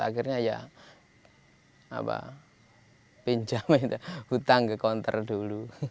akhirnya ya apa pinjam itu hutang ke konter dulu